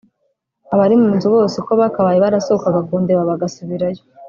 abari mu nzu bose uko bakabaye barasohokaga kundeba bagasubirayo